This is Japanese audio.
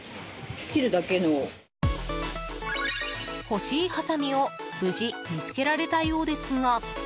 欲しいはさみを無事見つけられたようですが。